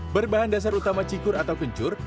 berbahan dasar utama cikur atau kencur